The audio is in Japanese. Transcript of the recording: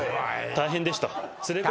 「大変でした」